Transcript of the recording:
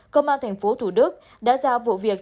công an thành phố thủ đức đã ra vụ việc